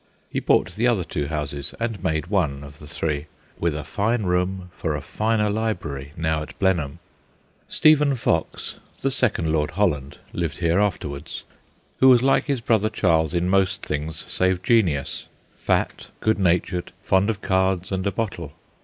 He bought the other two houses and made one of the three, with a fine room for a finer library now at Blenheim. Stephen Fox, the second Lord Holland, lived here afterwards, who was like his brother Charles in most things save genius, fat, good 76 THE GHOSTS OF PICCADILLY natured, fond of cards and a bottle.